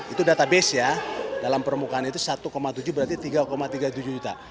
itu database ya dalam permukaan itu satu tujuh berarti tiga tiga puluh tujuh juta